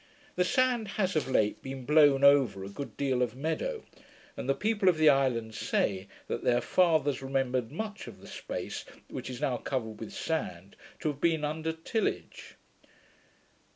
The sand has of late been blown over a good deal of meadow; and the people of the island say, that their fathers remembered much of the space which is now covered with sand, to have been under tillage.